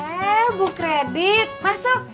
eh bu kredit masuk